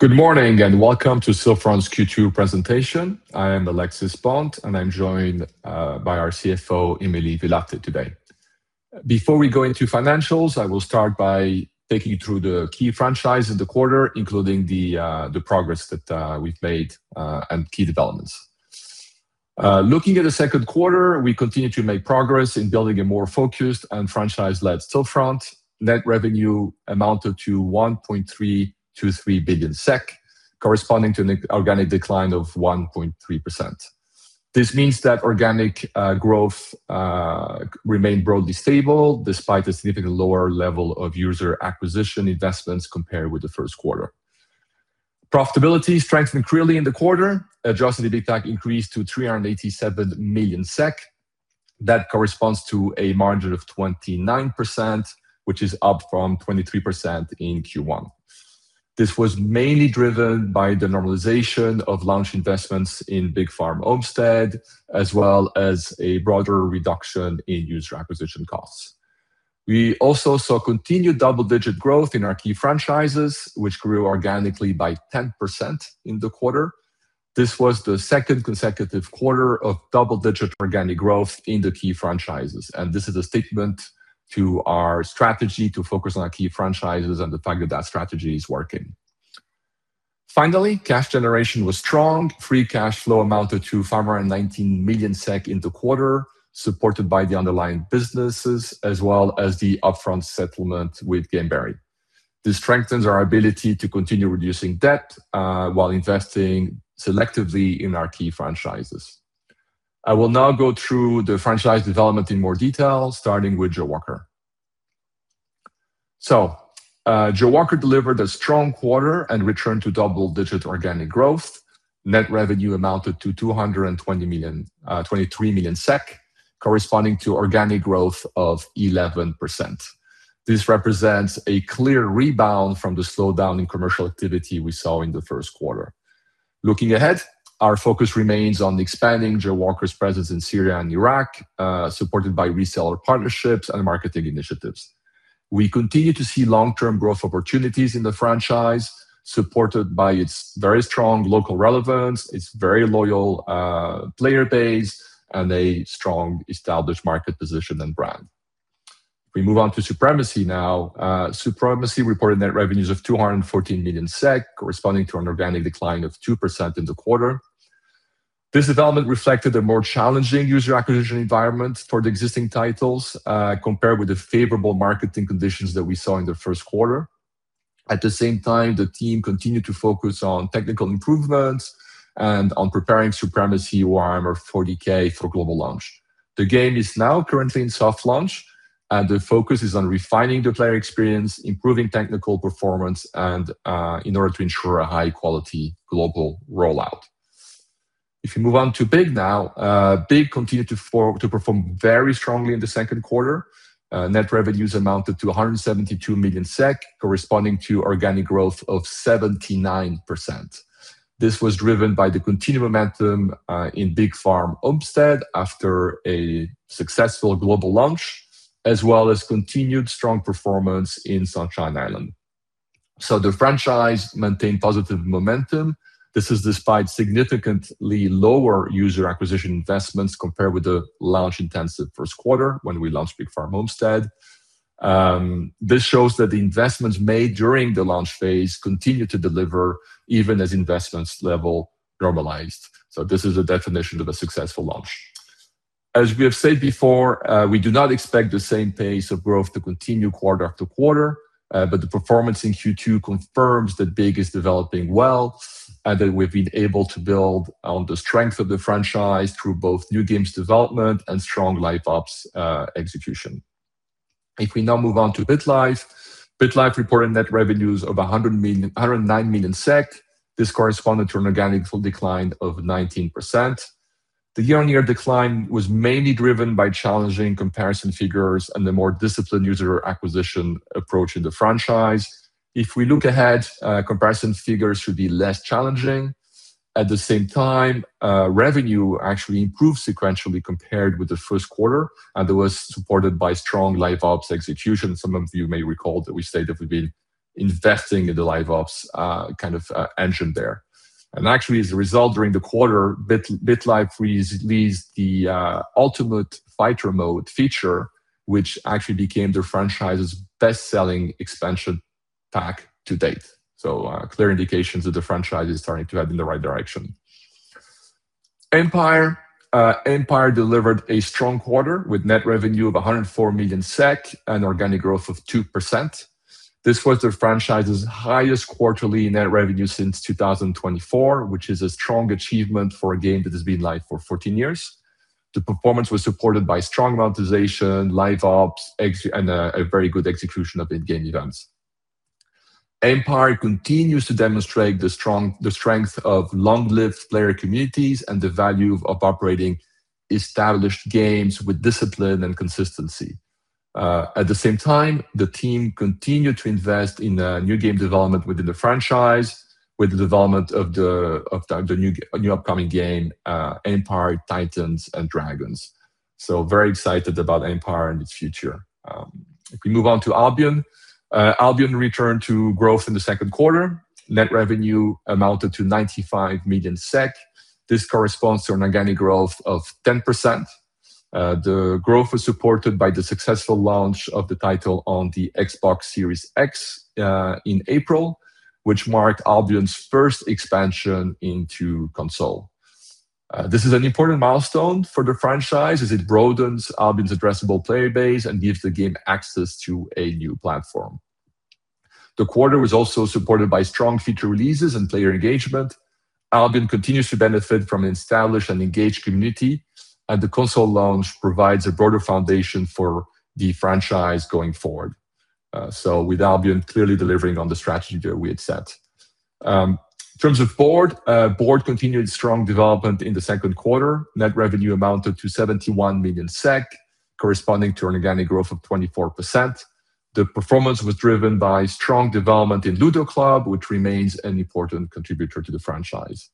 Good morning, welcome to Stillfront's Q2 presentation. I am Alexis Bonte, and I'm joined by our CFO, Emily Villatte, today. Before we go into financials, I will start by taking you through the key franchise of the quarter, including the progress that we've made and key developments. Looking at the second quarter, we continue to make progress in building a more focused and franchise-led Stillfront. Net revenue amounted to 1.323 billion SEK, corresponding to an organic decline of 1.3%. This means that organic growth remained broadly stable despite a significantly lower level of user acquisition investments compared with the first quarter. Profitability strengthened clearly in the quarter. Adjusted EBITDA increased to 387 million SEK. That corresponds to a margin of 29%, which is up from 23% in Q1. This was mainly driven by the normalization of launch investments in Big Farm: Homestead, as well as a broader reduction in user acquisition costs. We also saw continued double-digit growth in our key franchises, which grew organically by 10% in the quarter. This was the second consecutive quarter of double-digit organic growth in the key franchises, this is a statement to our strategy to focus on our key franchises and the fact that that strategy is working. Finally, cash generation was strong. Free cash flow amounted to 519 million SEK in the quarter, supported by the underlying businesses as well as the upfront settlement with Gameberry. This strengthens our ability to continue reducing debt while investing selectively in our key franchises. I will now go through the franchise development in more detail, starting with Jawaker. Jawaker delivered a strong quarter and returned to double-digit organic growth. Net revenue amounted to 223 million, corresponding to organic growth of 11%. This represents a clear rebound from the slowdown in commercial activity we saw in the first quarter. Looking ahead, our focus remains on expanding Jawaker's presence in Syria and Iraq, supported by reseller partnerships and marketing initiatives. We continue to see long-term growth opportunities in the franchise, supported by its very strong local relevance, its very loyal player base, and a strong established market position and brand. We move on to Supremacy now. Supremacy reported net revenues of 214 million SEK, corresponding to an organic decline of 2% in the quarter. This development reflected a more challenging user acquisition environment for the existing titles compared with the favorable marketing conditions that we saw in the first quarter. At the same time, the team continued to focus on technical improvements and on preparing Supremacy: Warhammer 40,000 for global launch. The game is now currently in soft launch, the focus is on refining the player experience, improving technical performance in order to ensure a high-quality global rollout. If you move on to Big now, BIG continued to perform very strongly in the second quarter. Net revenues amounted to 172 million SEK, corresponding to organic growth of 79%. This was driven by the continued momentum in Big Farm: Homestead after a successful global launch, as well as continued strong performance in Sunshine Island. The franchise maintained positive momentum. This is despite significantly lower user acquisition investments compared with the launch-intensive first quarter when we launched Big Farm: Homestead. This shows that the investments made during the launch phase continue to deliver even as investments level normalized. This is a definition of a successful launch. As we have said before, we do not expect the same pace of growth to continue quarter-after-quarter, but the performance in Q2 confirms that BIG is developing well and that we've been able to build on the strength of the franchise through both new games development and strong LiveOps execution. If we now move on to BitLife. BitLife reported net revenues of 109 million SEK. This corresponded to an organic decline of 19%. The year-on-year decline was mainly driven by challenging comparison figures and the more disciplined user acquisition approach in the franchise. If we look ahead, comparison figures should be less challenging. At the same time, revenue actually improved sequentially compared with the first quarter, and that was supported by strong LiveOps execution. Some of you may recall that we stated we've been investing in the LiveOps kind of engine there. Actually, as a result, during the quarter, BitLife released the Ultimate Fighter Mode feature, which actually became the franchise's best-selling expansion pack to date. A clear indication that the franchise is starting to head in the right direction. Empire. Empire delivered a strong quarter with net revenue of 104 million SEK and organic growth of 2%. This was the franchise's highest quarterly net revenue since 2024, which is a strong achievement for a game that has been live for 14 years. The performance was supported by strong monetization, LiveOps, and a very good execution of in-game events. Empire continues to demonstrate the strength of long-lived player communities and the value of operating established games with discipline and consistency. At the same time, the team continued to invest in new game development within the franchise with the development of the new upcoming game, Empire: Titans and Dragons. Very excited about Empire and its future. If we move on to Albion. Albion returned to growth in the second quarter. Net revenue amounted to 95 million SEK. This corresponds to an organic growth of 10%. The growth was supported by the successful launch of the title on the Xbox Series X in April, which marked Albion's first expansion into console. This is an important milestone for the franchise as it broadens Albion's addressable player base and gives the game access to a new platform. The quarter was also supported by strong feature releases and player engagement. Albion continues to benefit from an established and engaged community, and the console launch provides a broader foundation for the franchise going forward. With Albion clearly delivering on the strategy that we had set. In terms of Board continued strong development in the second quarter. Net revenue amounted to 71 million SEK, corresponding to an organic growth of 24%. The performance was driven by strong development in Ludo Club, which remains an important contributor to the franchise.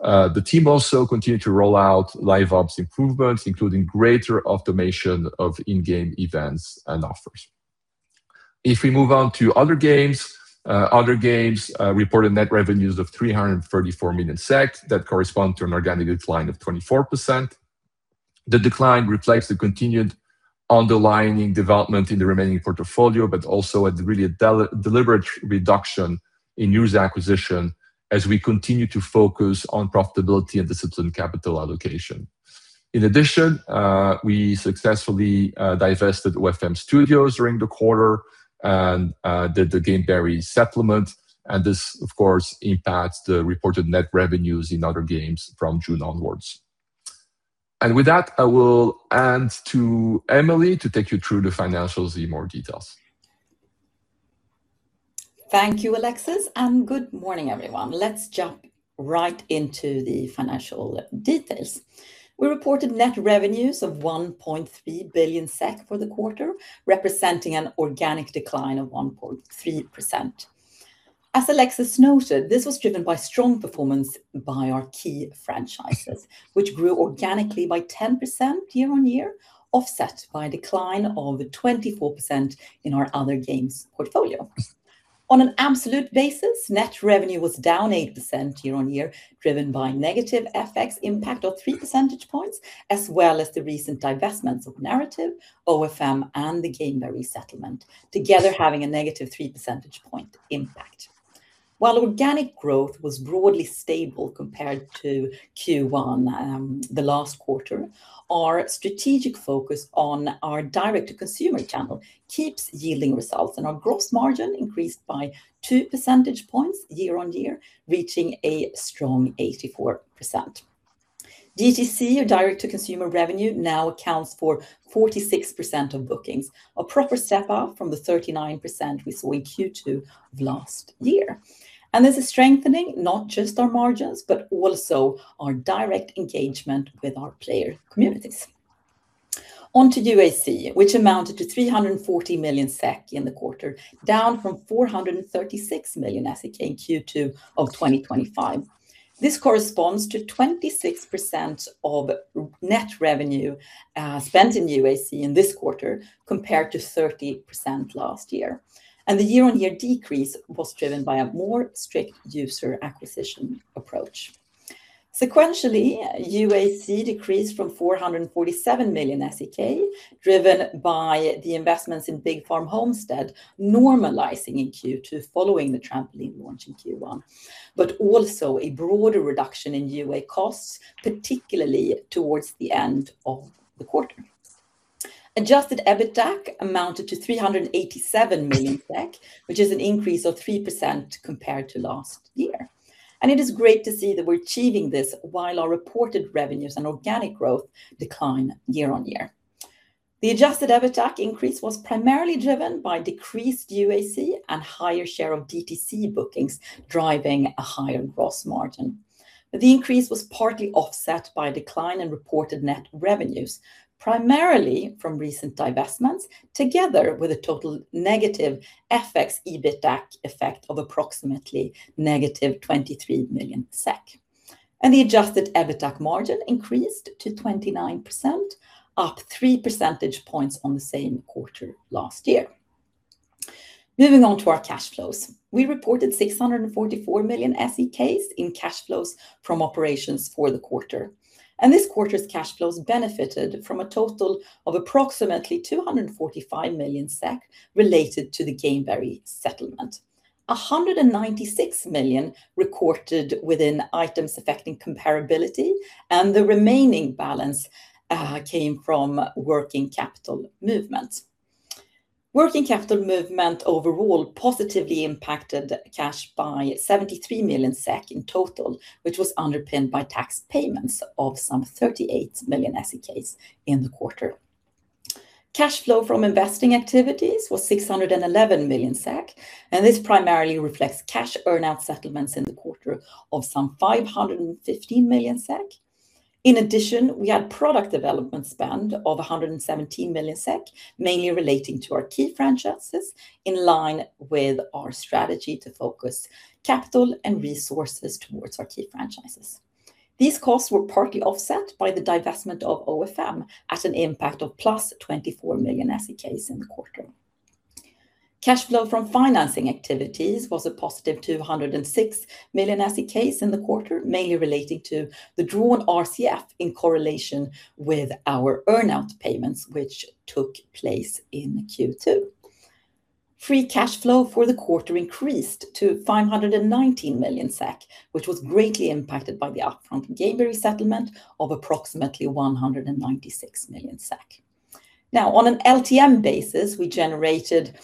The team also continued to roll out LiveOps improvements, including greater automation of in-game events and offers. If we move on to other games. Other games reported net revenues of 334 million SEK that correspond to an organic decline of 24%. The decline reflects the continued underlying development in the remaining portfolio, but also a really deliberate reduction in user acquisition as we continue to focus on profitability and disciplined capital allocation. In addition, we successfully divested OFM Studios during the quarter and did the Gameberry settlement. This, of course, impacts the reported net revenues in other games from June onwards. With that, I will hand to Emily to take you through the financials in more detail. Thank you, Alexis, good morning, everyone. Let's jump right into the financial details. We reported net revenues of 1.3 billion SEK for the quarter, representing an organic decline of 1.3%. As Alexis noted, this was driven by strong performance by our key franchises, which grew organically by 10% year-on-year, offset by a decline of 24% in our other games portfolio. On an absolute basis, net revenue was down 8% year-on-year, driven by negative FX impact of 3 percentage points, as well as the recent divestments of Narrative, OFM, and the Gameberry settlement, together having -3 percentage point impact. While organic growth was broadly stable compared to Q1, the last quarter, our strategic focus on our direct-to-consumer channel keeps yielding results. Our gross margin increased by 2 percentage points year-on-year, reaching a strong 84%. DTC, or direct-to-consumer revenue, now accounts for 46% of bookings, a proper step-up from the 39% we saw in Q2 of last year. This is strengthening not just our margins, also our direct engagement with our player communities. On to UAC, which amounted to 340 million SEK in the quarter, down from 436 million SEK in Q2 of 2025. This corresponds to 26% of net revenue spent in UAC in this quarter, compared to 30% last year. The year-on-year decrease was driven by a more strict user acquisition approach. Sequentially, UAC decreased from 447 million SEK, driven by the investments in Big Farm: Homestead normalizing in Q2 following the trampoline launch in Q1, a broader reduction in UA costs, particularly towards the end of the quarter. Adjusted EBITDA amounted to 387 million, which is an increase of 3% compared to last year. It is great to see that we're achieving this while our reported revenues and organic growth decline year-on-year. The adjusted EBITDA increase was primarily driven by decreased UAC and higher share of DTC bookings driving a higher gross margin. The increase was partly offset by a decline in reported net revenues, primarily from recent divestments, together with a total negative FX EBITDA effect of approximately -23 million SEK. The adjusted EBITDA margin increased to 29%, up 3 percentage points on the same quarter last year. Moving on to our cash flows. We reported 644 million SEK in cash flows from operations for the quarter. This quarter's cash flows benefited from a total of approximately 245 million SEK related to the Gameberry settlement. 196 million recorded within items affecting comparability, the remaining balance came from working capital movements. Working capital movement overall positively impacted cash by 73 million SEK in total, which was underpinned by tax payments of some 38 million SEK in the quarter. Cash flow from investing activities was 611 million SEK. This primarily reflects cash earn-out settlements in the quarter of some 550 million SEK. In addition, we had product development spend of 117 million SEK, mainly relating to our key franchises, in line with our strategy to focus capital and resources towards our key franchises. These costs were partly offset by the divestment of OFM at an impact of +24 million SEK in the quarter. Cash flow from financing activities was +206 million SEK in the quarter, mainly relating to the drawn RCF in correlation with our earn-out payments, which took place in Q2. Free cash flow for the quarter increased to 519 million SEK, which was greatly impacted by the upfront Gameberry settlement of approximately 196 million SEK. Now, on an LTM basis, we generated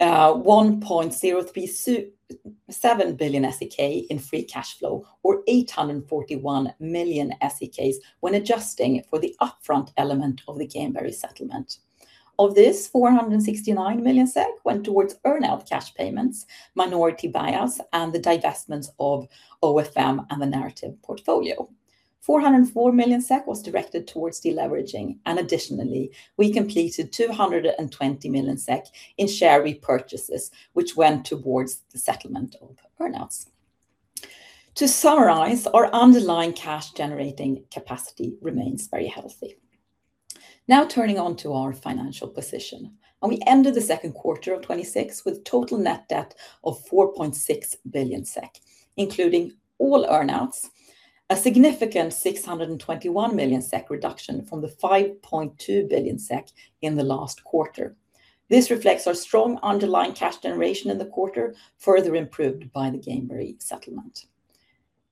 1.037 billion SEK in free cash flow or 841 million SEK when adjusting for the upfront element of the Gameberry settlement. Of this, 469 million SEK went towards earn-out cash payments, minority buyouts, and the divestments of OFM and the Narrative portfolio. SEK 404 million was directed towards de-leveraging. Additionally, we completed 220 million SEK in share repurchases, which went towards the settlement of earn-outs. To summarize, our underlying cash generating capacity remains very healthy. Now turning on to our financial position, we ended the second quarter of 2026 with total net debt of 4.6 billion SEK, including all earn-outs, a significant 621 million SEK reduction from the 5.2 billion SEK in the last quarter. This reflects our strong underlying cash generation in the quarter, further improved by the Gameberry settlement.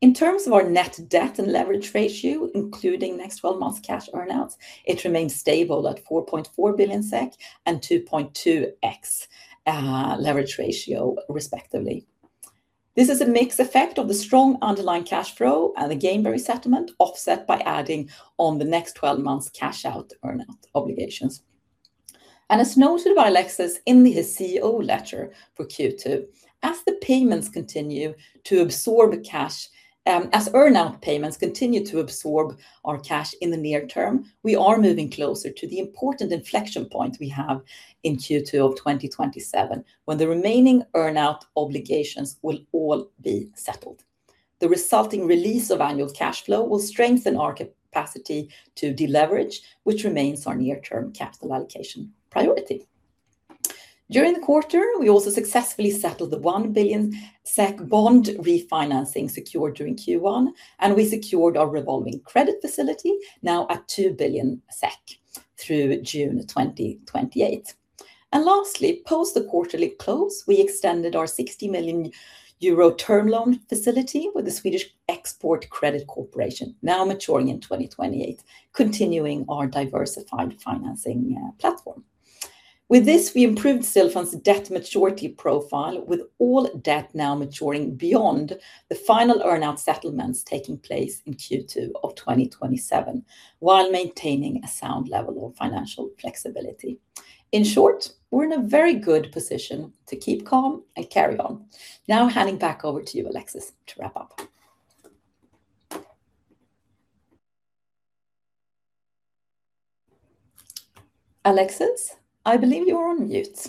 In terms of our net debt and leverage ratio, including next 12 months cash earn-outs, it remains stable at 4.4 billion SEK and 2.2x leverage ratio, respectively. This is a mixed effect of the strong underlying cash flow and the Gameberry settlement, offset by adding on the next 12 months cash-out earn-out obligations. As noted by Alexis in his CEO letter for Q2, as earn-out payments continue to absorb our cash in the near term, we are moving closer to the important inflection point we have in Q2 of 2027, when the remaining earn-out obligations will all be settled. The resulting release of annual cash flow will strengthen our capacity to deleverage, which remains our near-term capital allocation priority. During the quarter, we also successfully settled the 1 billion SEK bond refinancing secured during Q1. We secured our revolving credit facility, now at 2 billion SEK through June 2028. Lastly, post the quarterly close, we extended our 60 million euro term loan facility with the Swedish Export Credit Corporation, now maturing in 2028, continuing our diversified financing platform. With this, we improved Stillfront's debt maturity profile, with all debt now maturing beyond the final earn-out settlements taking place in Q2 of 2027, while maintaining a sound level of financial flexibility. In short, we're in a very good position to keep calm and carry on. Now handing back over to you, Alexis, to wrap up. Alexis, I believe you are on mute.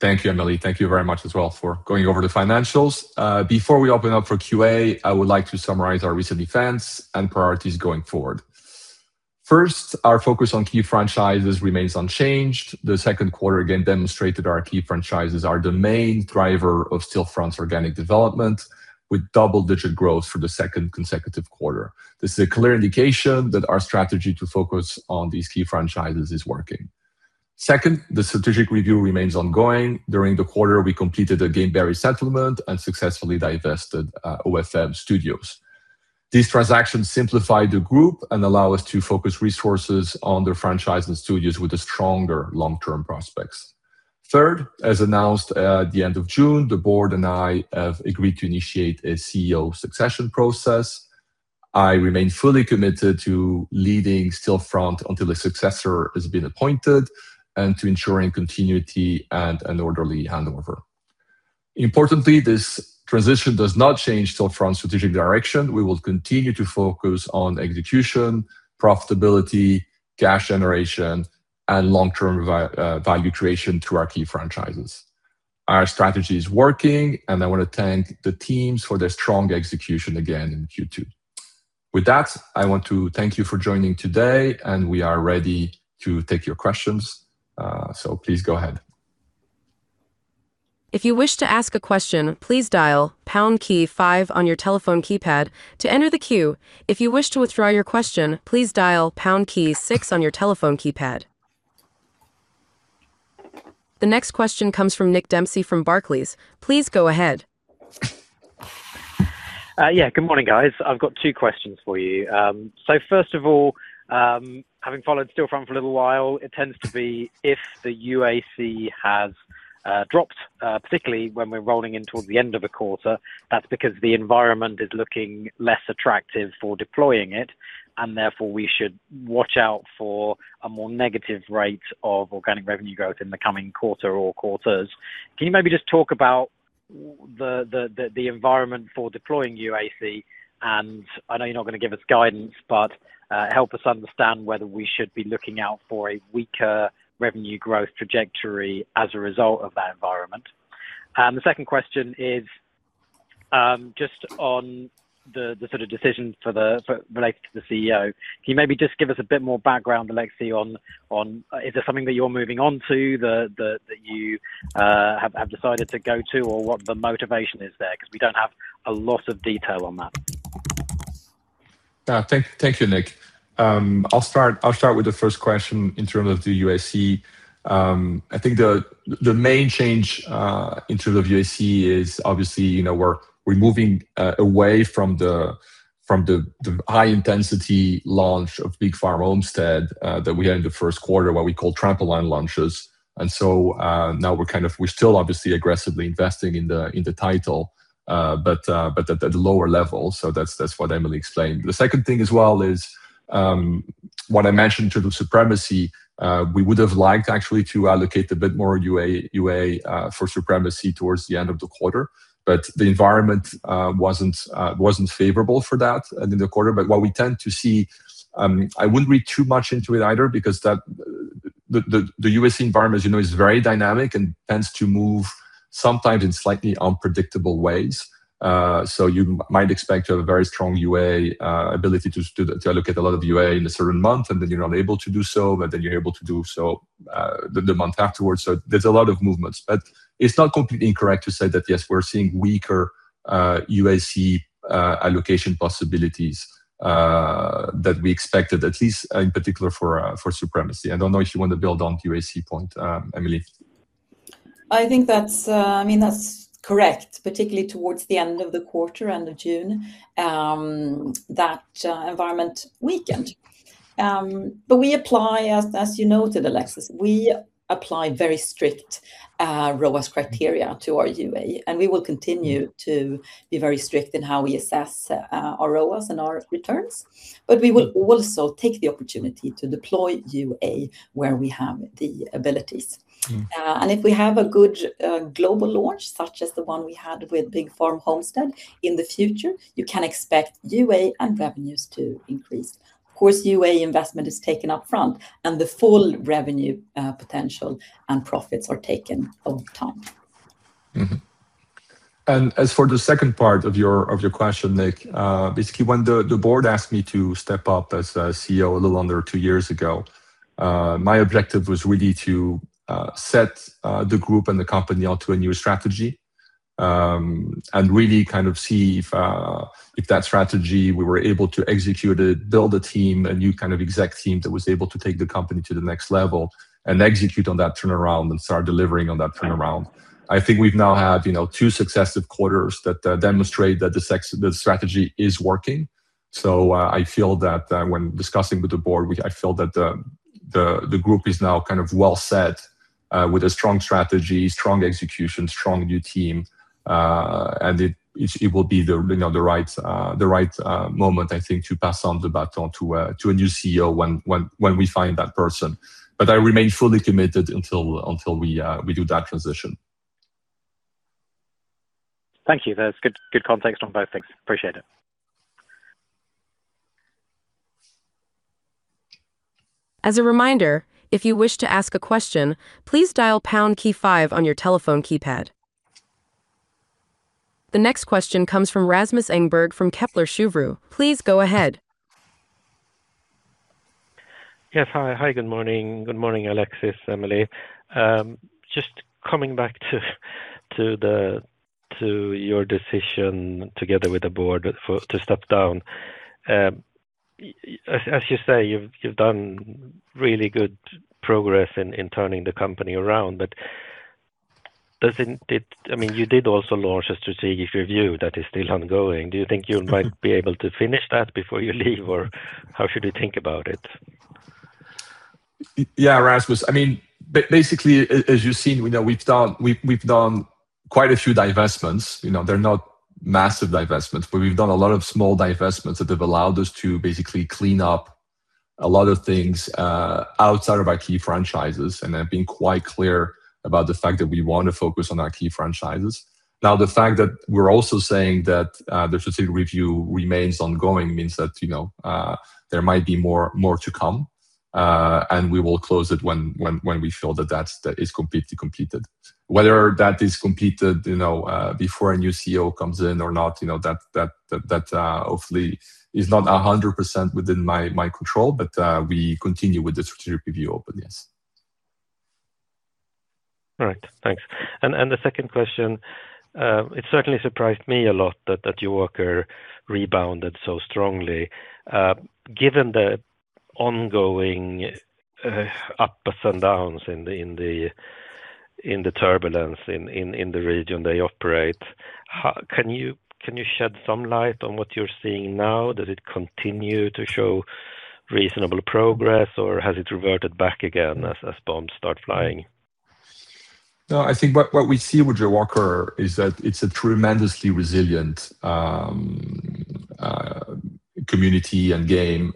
Thank you, Emily. Thank you very much as well for going over the financials. Before we open up for Q&A, I would like to summarize our recent defense and priorities going forward. First, our focus on key franchises remains unchanged. The second quarter again demonstrated our key franchises are the main driver of Stillfront's organic development, with double-digit growth for the second consecutive quarter. This is a clear indication that our strategy to focus on these key franchises is working. Second, the strategic review remains ongoing. During the quarter, we completed the Gameberry settlement and successfully divested OFM Studios. These transactions simplify the group and allow us to focus resources on the franchise and studios with the stronger long-term prospects. Third, as announced at the end of June, the board and I have agreed to initiate a CEO succession process. I remain fully committed to leading Stillfront until a successor has been appointed and to ensuring continuity and an orderly handover. Importantly, this transition does not change Stillfront's strategic direction. We will continue to focus on execution, profitability, cash generation, and long-term value creation through our key franchises. Our strategy is working, and I want to thank the teams for their strong execution again in Q2. With that, I want to thank you for joining today, and we are ready to take your questions. Please go ahead. If you wish to ask a question, please dial pound key five on your telephone keypad to enter the queue. If you wish to withdraw your question, please dial pound key six on your telephone keypad. The next question comes from Nick Dempsey from Barclays. Please go ahead. Yeah, good morning, guys. I've got two questions for you. First of all, having followed Stillfront for a little while, it tends to be if the UAC has dropped, particularly when we're rolling in towards the end of a quarter, that's because the environment is looking less attractive for deploying it, and therefore we should watch out for a more negative rate of organic revenue growth in the coming quarter or quarters. Can you maybe just talk about the environment for deploying UAC? I know you're not going to give us guidance, but help us understand whether we should be looking out for a weaker revenue growth trajectory as a result of that environment. The second question is Just on the decisions related to the CEO, can you maybe just give us a bit more background, Alexis, on is there something that you're moving on to, that you have decided to go to, or what the motivation is there? We don't have a lot of detail on that. Thank you, Nick. I'll start with the first question in terms of the UAC. I think the main change in terms of UAC is obviously we're moving away from the high-intensity launch of Big Farm: Homestead that we had in the first quarter, what we call trampoline launches. Now we're still obviously aggressively investing in the title, but at a lower level. That's what Emily explained. The second thing as well is what I mentioned to the Supremacy, we would have liked actually to allocate a bit more UA for Supremacy towards the end of the quarter, the environment wasn't favorable for that in the quarter. What we tend to see, I wouldn't read too much into it either, the UAC environment is very dynamic and tends to move sometimes in slightly unpredictable ways. You might expect to have a very strong UA ability to allocate a lot of UA in a certain month, you're not able to do so, you're able to do so the month afterwards. There's a lot of movements. It's not completely incorrect to say that, yes, we're seeing weaker UAC allocation possibilities that we expected, at least in particular for Supremacy. I don't know if you want to build on the UAC point. Emily? I think that's correct, particularly towards the end of the quarter, end of June, that environment weakened. As you noted, Alexis, we apply very strict ROAS criteria to our UA, we will continue to be very strict in how we assess our ROAS and our returns. We will also take the opportunity to deploy UA where we have the abilities. If we have a good global launch, such as the one we had with Big Farm: Homestead, in the future, you can expect UA and revenues to increase. Of course, UA investment is taken up front and the full revenue potential and profits are taken over time. As for the second part of your question, Nick, basically when the board asked me to step up as CEO a little under two years ago, my objective was really to set the group and the company onto a new strategy, and really kind of see if that strategy, we were able to execute it, build a team, a new kind of exec team that was able to take the company to the next level and execute on that turnaround and start delivering on that turnaround. I think we now have two successive quarters that demonstrate that the strategy is working. I feel that when discussing with the board, I feel that the group is now kind of well set with a strong strategy, strong execution, strong new team, and it will be the right moment, I think, to pass on the baton to a new CEO when we find that person. I remain fully committed until we do that transition. Thank you. That's good context on both things. Appreciate it. As a reminder, if you wish to ask a question, please dial pound key five on your telephone keypad. The next question comes from Rasmus Engberg from Kepler Cheuvreux. Please go ahead. Yes. Hi. Good morning. Good morning, Alexis, Emily. Just coming back to your decision together with the Board to step down. As you say, you've done really good progress in turning the company around. You did also launch a strategic review that is still ongoing. Do you think you might be able to finish that before you leave, or how should we think about it? Yeah, Rasmus. Basically, as you've seen, we've done quite a few divestments. They're not massive divestments. We've done a lot of small divestments that have allowed us to basically clean up a lot of things outside of our key franchises and have been quite clear about the fact that we want to focus on our key franchises. The fact that we're also saying that the strategic review remains ongoing means that there might be more to come. We will close it when we feel that that is completely completed. Whether that is completed before a new CEO comes in or not, that hopefully is not 100% within my control. We continue with the strategic review open, yes. Right. Thanks. The second question, it certainly surprised me a lot that Jawaker rebounded so strongly. Given the ongoing ups and downs in the turbulence in the region they operate, can you shed some light on what you're seeing now? Does it continue to show reasonable progress, or has it reverted back again as bombs start flying? No, I think what we see with Jawaker is that it's a tremendously resilient community and game.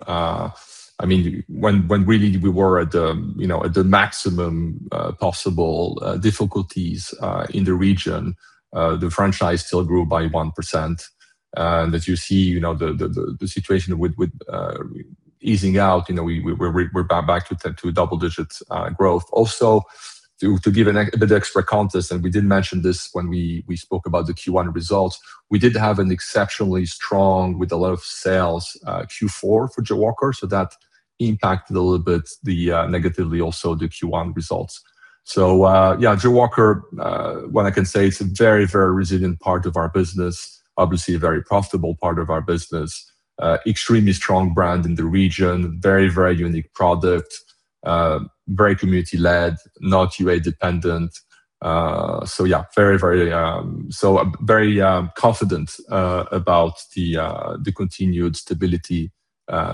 When really we were at the maximum possible difficulties in the region, the franchise still grew by 1%. That you see the situation with easing out, we're back to double digits growth. To give a bit extra context, and we did mention this when we spoke about the Q1 results, we did have an exceptionally strong, with a lot of sales, Q4 for Jawaker, so that impacted a little bit negatively also the Q1 results. Jawaker, what I can say, it's a very resilient part of our business, obviously a very profitable part of our business. Extremely strong brand in the region, very unique product, very community-led, not UA-dependent. Very confident about the continued stability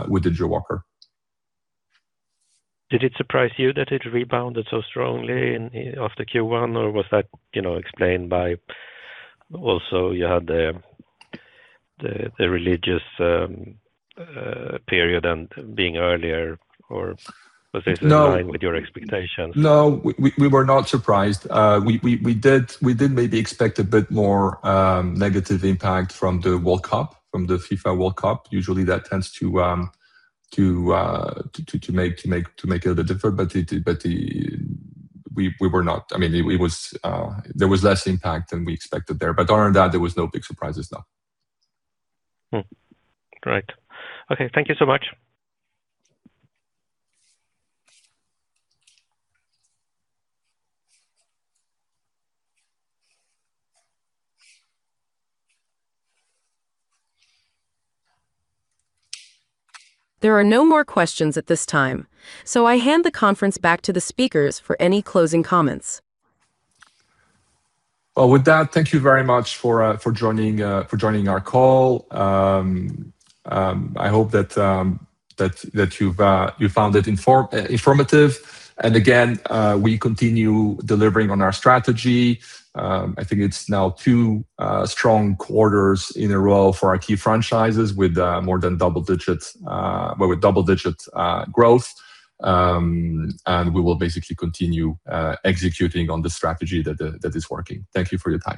with the Jawaker. Did it surprise you that it rebounded so strongly after Q1, or was that explained by also you had the religious period and being earlier, or was this- No. ...in line with your expectations? No, we were not surprised. We did maybe expect a bit more negative impact from the World Cup, from the FIFA World Cup. Usually, that tends to make a little different. There was less impact than we expected there. Other than that, there was no big surprises. Great. Okay, thank you so much. There are no more questions at this time, I hand the conference back to the speakers for any closing comments. Well, with that, thank you very much for joining our call. I hope that you found it informative. Again, we continue delivering on our strategy. I think it is now two strong quarters in a row for our key franchises with more than double digits, well, with double-digit growth. We will basically continue executing on the strategy that is working. Thank you for your time